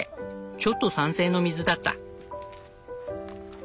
ちょっと酸性の水だった。